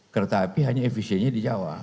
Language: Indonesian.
kereta api hanya efisiennya di jawa